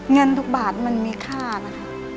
เงินทุกบาทมันมีค่านะคะ